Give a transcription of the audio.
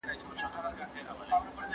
که سالمه روزنه نه وي ټولنه نه اصلاح کيږي.